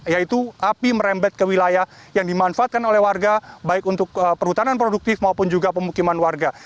yaitu api merembet ke wilayah yang dimanfaatkan oleh warga baik untuk perhutanan produktif maupun juga pemukiman warga